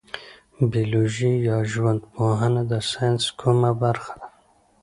بیولوژي یا ژوند پوهنه د ساینس کومه برخه ده